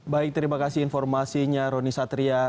baik terima kasih informasinya roni satria